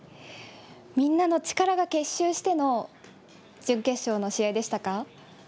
みんなの力が結集しての準決勝の試合でしたか？